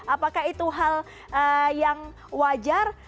apakah itu hal yang wajar